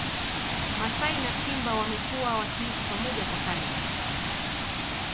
Masai na Simba wamekuwa wakiishi pamoja kwa karne